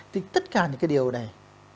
thì tất cả những cái điều này